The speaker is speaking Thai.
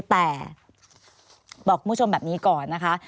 แต่บอกคุณผู้ชมแบบนี้ก่อนนะคะ